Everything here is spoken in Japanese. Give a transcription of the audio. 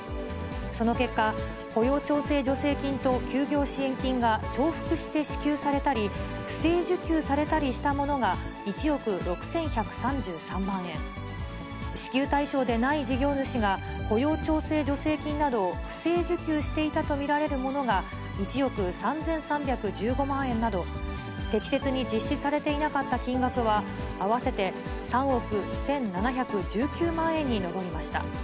その結果、雇用調整助成金と休業支援金が重複して支給されたり、不正受給されたりしたものが１億６１３３万円、支給対象でない事業主が雇用調整助成金などを不正受給していたと見られるものが１億３３１５万円など、適切に実施されていなかった金額は、合わせて３億１７１９万円に上りました。